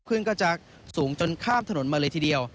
ขึ้นก็จะสูงจนข้ามถนนมาเลยทีเดียว